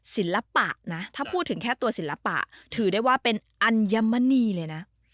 ศิลปะนะถ้าพูดถึงแค่ตัวศิลปะถือได้ว่าเป็นอัญมณีเลยนะ